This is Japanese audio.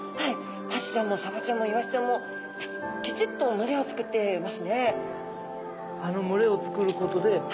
アジちゃんもサバちゃんもイワシちゃんもきちっと群れをつくってますね。